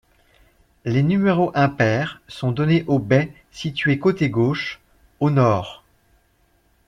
Les numéros impairs sont donnés aux baies situées côté gauche, au Nord.